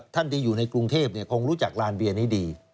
ที่อยู่ในกรุงเทพคงรู้จักลานเบียร์นี้ดี